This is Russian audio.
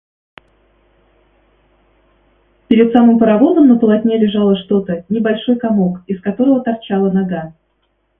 Перед самым паровозом на полотне лежало что-то, небольшой комок, из которого торчала нога.